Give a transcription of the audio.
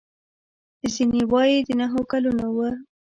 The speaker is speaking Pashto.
ځینې وايي د نهو کلونو و.